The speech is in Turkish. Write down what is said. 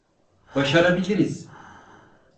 Başarabiliriz!